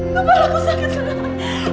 kepalaku sakit sekali